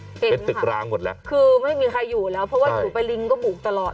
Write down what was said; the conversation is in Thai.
เป็นตึกร้างหมดแล้วคือไม่มีใครอยู่แล้วเพราะว่าอยู่ไปลิงก็บุกตลอด